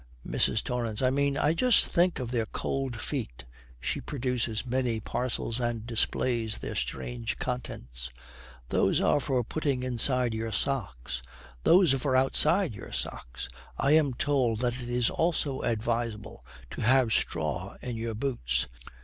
MRS. TORRANCE. 'I mean, just think of their cold feet.' She produces many parcels and displays their strange contents. 'Those are for putting inside your socks. Those are for outside your socks. I am told that it is also advisable to have straw in your boots.'